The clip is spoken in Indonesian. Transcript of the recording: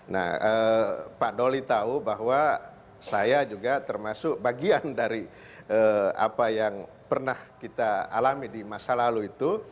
nah pak doli tahu bahwa saya juga termasuk bagian dari apa yang pernah kita alami di masa lalu itu